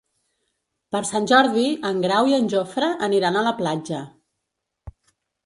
Per Sant Jordi en Grau i en Jofre aniran a la platja.